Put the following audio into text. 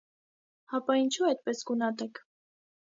- Հապա ինչո՞ւ այդպես գունատ եք: